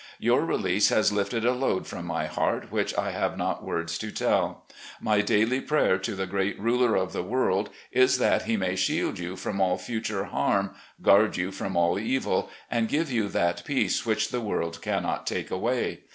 Your release has lifted a load from my heart which I have not words to tell. My daily prayer to the great Ruler of the world is that He may shield you from all future harm, guard you from all evil, and give you that peace which the world cannot take away.